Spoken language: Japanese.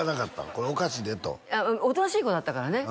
「これおかしいで」とおとなしい子だったからね